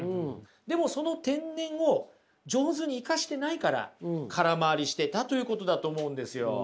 でもその天然を上手に生かしてないから空回りしてたということだと思うんですよ。